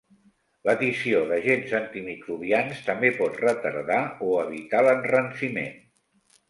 L'addició d'agents antimicrobians també pot retardar o evitar l'enranciment.